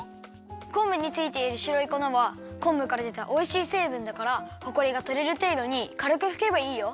こんぶについているしろいこなはこんぶからでたおいしいせいぶんだからほこりがとれるていどにかるくふけばいいよ。